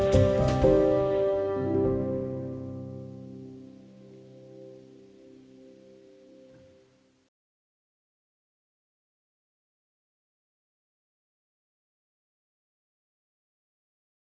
selanjutnya san francisco